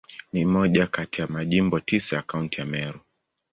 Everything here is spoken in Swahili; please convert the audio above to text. Ni moja kati ya Majimbo tisa ya Kaunti ya Meru.